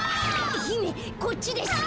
ひめこっちです。